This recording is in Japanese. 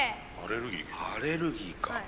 アレルギーか。